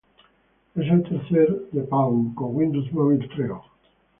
Es el tercer de Palm con Windows Mobile Treo.